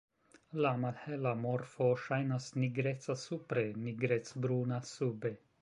La malhela morfo ŝajnas nigreca supre, nigrecbruna sube.